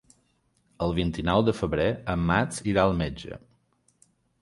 El vint-i-nou de febrer en Max irà al metge.